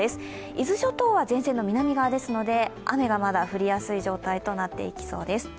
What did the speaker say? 伊豆諸島は前線の南側ですので、雨が降りやすい状態になっていきそうです。